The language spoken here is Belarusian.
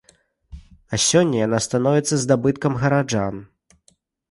А сёння яна становіцца здабыткам гараджан.